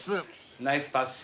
ナイスパス。